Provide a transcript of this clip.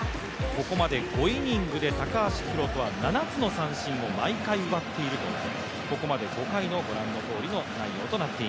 ここまで５イニングで高橋宏斗は７つの三振を毎回奪っていると、ここまで５回、ご覧のとおりです。